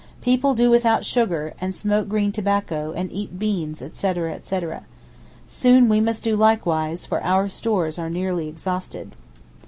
People do without sugar, and smoke green tobacco, and eat beans, etc., etc. Soon we must do likewise, for our stores are nearly exhausted.